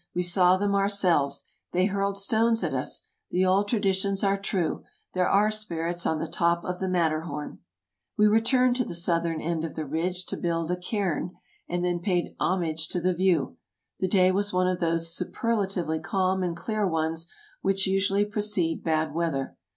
" We saw them ourselves — they hurled stones at us ! The old tra ditions are true — there are spirits on the top of the Matter horn !'' We returned to the southern end of the ridge to build a cairn, and then paid homage to the view. The day was one of those superlatively calm and clear ones which usually precede bad weather.